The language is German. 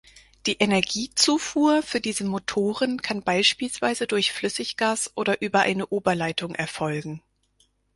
Die Energiezufuhr für diese Motoren kann beispielsweise durch Flüssiggas oder über eine Oberleitung erfolgen.